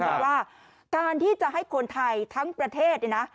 บอกว่าการที่จะให้คนไทยทั้งประเทศเนี่ยนะ